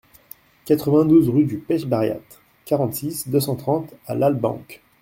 quatre-vingt-douze rue du Pech Barriat, quarante-six, deux cent trente à Lalbenque